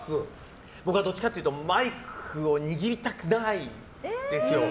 僕はどっちかというとマイクを握りたくないんですよ。